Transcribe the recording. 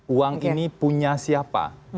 uang ini punya siapa